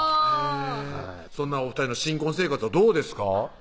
そんなお２人の新婚生活はどうですか？